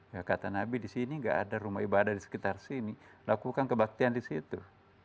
ya kata nabi di sini nggak ada rumah ibadah di sekitar sini lakukan kebaktian di situ